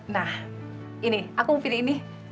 nah ini aku mau pilih ini